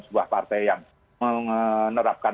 sebuah partai yang menerapkan